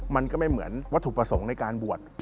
มันก็ไม่เหมือนวัตถุประสงค์ในการบวช